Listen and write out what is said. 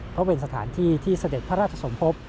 เพราะเป็นสถานที่ที่เสด็จพระราชสมภพ